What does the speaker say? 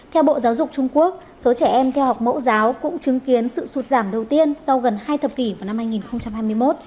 theo bộ giáo dục trung quốc số trẻ em theo học mẫu giáo cũng chứng kiến sự sụt giảm đầu tiên sau gần hai thập kỷ vào năm hai nghìn hai mươi một